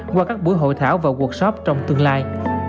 qua các buổi hội thảo và workshop trong tương lai